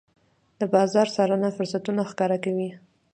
د بازار څارنه فرصتونه ښکاره کوي.